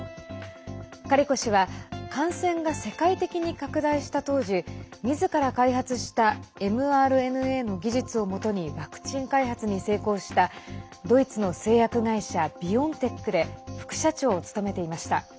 カリコ氏は感染が世界的に拡大した当時みずから開発したｍＲＮＡの技術をもとにワクチン開発に成功したドイツの製薬会社ビオンテックで副社長を務めていました。